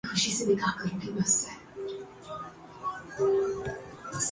مسجد سے اب موذن کی نہیں، لاؤڈ سپیکر کی آواز آتی ہے۔